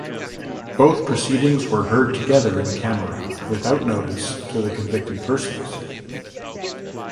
Both proceedings were heard together in camera without notice to the convicted persons.